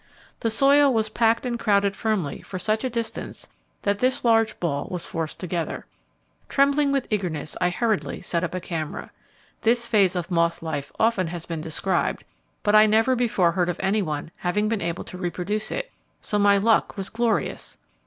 The soil was packed and crowded firmly for such a distance that this large ball was forced together. Trembling with eagerness I hurriedly set up a camera. This phase of moth life often has been described, but I never before heard of any one having been able to reproduce it, so my luck was glorious.